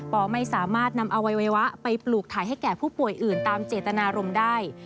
ไม่สามารถนำอวัยวะไปปลูกถ่ายให้แก่ผู้ป่วยอื่นตามเจตนารมณ์ได้